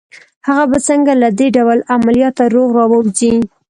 هغه به څنګه له دې ډول عملياته روغ را ووځي